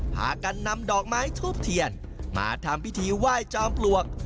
พากันนำดอกไม้ทูบเทียนมาทำพิธีไหว้จอมปลวก